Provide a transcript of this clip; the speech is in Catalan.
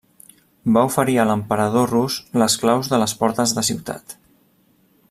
Va oferir a l'emperador rus les claus de les portes de ciutat.